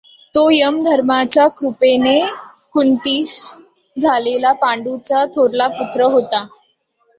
तो यमधर्माच्या कृपेने कुंतीस झालेला पंडूचा थोरला पुत्र होता.